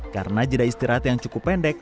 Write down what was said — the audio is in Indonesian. karena jeda istirahat yang cukup pendek